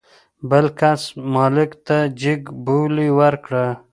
بل کس مالک ته جګ بولي ورکړه.